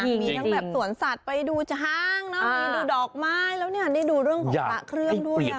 ไอเกี่ยวที่มันอยู่ในต่างประเทศนะยิ่งยิคุณก็มี